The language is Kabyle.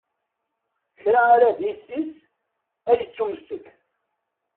Kra ara d-issis, ad ittumessek.